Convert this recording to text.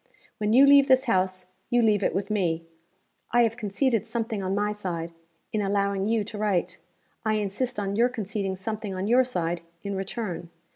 When you leave this house, you leave it with me. I have conceded something on my side, in allowing you to write. I insist on your conceding something, on your side, in return.